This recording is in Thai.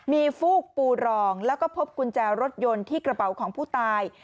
มีฟูกปูรองแล้วก็พบกุญแจรถยนต์ที่กระเป๋าของผู้ตาย